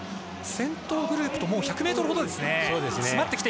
先頭グループと１００ｍほどですね。